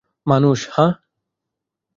মানুষ, হাহ?